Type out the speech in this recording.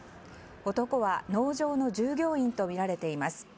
男は農場の従業員とみられています。